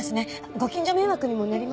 ご近所迷惑にもなりますし。